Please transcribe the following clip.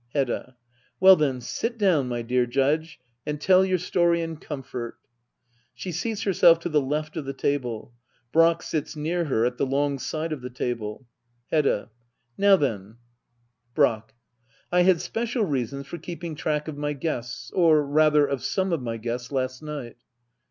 Hedda. Well then, sit down, my dear Judge, and tell your story in comfort. {She seats herself to the left of the table. Brack sits near her, at the long side of the table, Hedda. l£^Now then } Digitized by Google act iii.] hedda oabler. 133 Brack. I had special reasons for keeping track of my guests— or rather of some of my guests — last night.